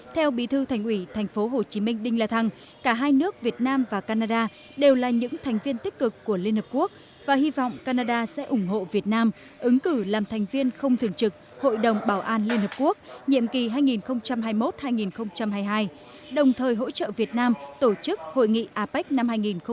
theo bí thư thành ủy tp hcm đinh la thăng cả hai nước việt nam và canada đều là những thành viên tích cực của liên hợp quốc và hy vọng canada sẽ ủng hộ việt nam ứng cử làm thành viên không thường trực hội đồng bảo an liên hợp quốc nhiệm kỳ hai nghìn hai mươi một hai nghìn hai mươi hai đồng thời hỗ trợ việt nam tổ chức hội nghị apec năm hai nghìn hai mươi